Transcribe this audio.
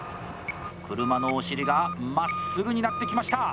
車のお尻がまっすぐになってきました。